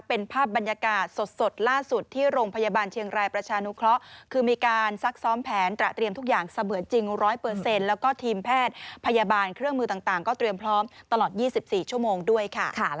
เป็นภาพบรรยากาศสดล่าสุดที่โรงพยาบาลเชียงรายประชานุเคราะห์คือมีการซักซ้อมแผนตระเตรียมทุกอย่างเสมือนจริง๑๐๐แล้วก็ทีมแพทย์พยาบาลเครื่องมือต่างก็เตรียมพร้อมตลอด๒๔ชั่วโมงด้วยค่ะ